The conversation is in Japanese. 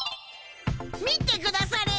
見てくだされ。